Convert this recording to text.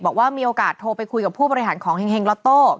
บอกว่ามีโอกาสโทรไปคุยกับผู้บริหารของเห็งล็อตโต้